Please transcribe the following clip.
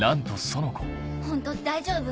ホント大丈夫？